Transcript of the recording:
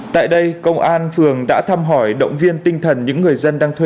tại đây công an phường đã thăm hỏi động viên tinh thần những người dân đang thuê